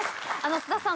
菅田さん。